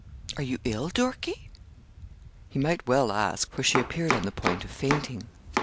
Are you ill, Dorkie?' He might well ask, for she appeared on the point of fainting.